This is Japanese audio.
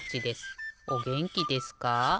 おげんきですか？